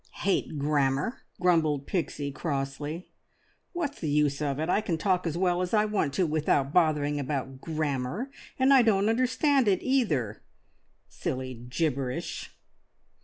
"Hate grammar!" grumbled Pixie crossly. "What's the use of it? I can talk as well as I want to without bothering about grammar, and I don't understand it either! Silly gibberish!"